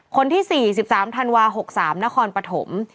คนที่๔๓ธันวา๖๓นครปฐม